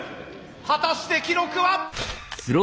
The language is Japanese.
果たして記録は？